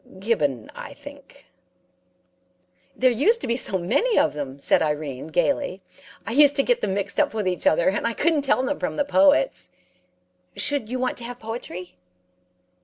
'Gibbon, I think.' "'There used to be so many of them,' said Irene, gaily. 'I used to get them mixed up with each other, and I couldn't tell them from the poets. Should you want to have poetry?'